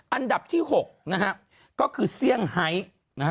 อันดับที่๖ก็คือเซี่ยงไฮส์